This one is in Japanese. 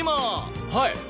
はい！